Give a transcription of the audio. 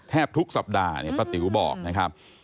แทบทุกสัปดาห์ป้าติ๋วบอกนะครับ